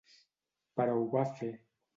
Però ho va fer.